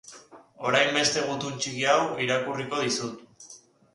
Orain beste gutun txiki hau irakurriko dizut.